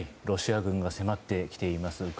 ロシア軍が迫ってきています。